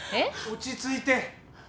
落ち着いて。